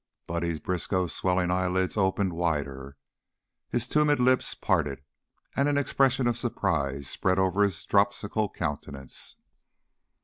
Buddy Briskow's swollen eyelids opened wider, his tumid lips parted, and an expression of surprise spread over his dropsical countenance.